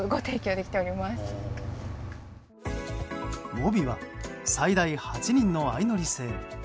ｍｏｂｉは最大８人の相乗り制。